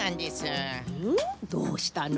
どうしたの？